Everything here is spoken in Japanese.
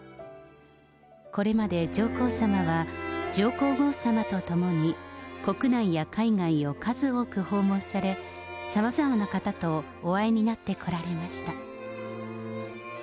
これまで上皇さまは、上皇后さまと共に、国内や海外を数多く訪問され、さまざまな方とお会いになってこられました。